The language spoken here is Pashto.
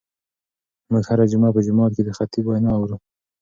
موږ هره جمعه په جومات کې د خطیب وینا اورو.